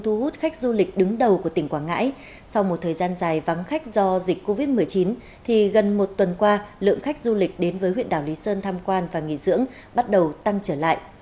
thu hút khách du lịch đứng đầu của tỉnh quảng ngãi sau một thời gian dài vắng khách do dịch covid một mươi chín thì gần một tuần qua lượng khách du lịch đến với huyện đảo lý sơn tham quan và nghỉ dưỡng bắt đầu tăng trở lại